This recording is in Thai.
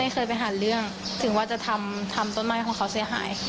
เคยไปหาเรื่องถึงว่าจะทำต้นไม้ของเขาเสียหาย